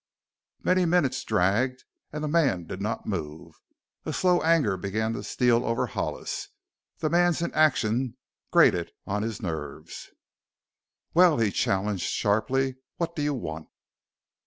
Many minutes dragged and the man did not move. A slow anger began to steal over Hollis; the man's inaction grated on his nerves. "Well!" he challenged sharply. "What do you want?"